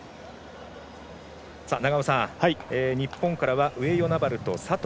永尾さん、日本からは上与那原と佐藤